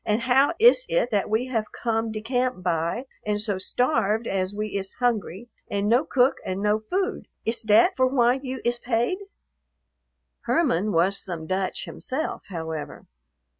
And how iss it that we haf come de camp by und so starved as we iss hungry, and no cook und no food? Iss dat for why you iss paid?" Herman was some Dutch himself, however.